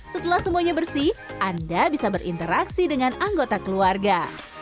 setelah semuanya bersih anda bisa berinteraksi dengan anggota keluarga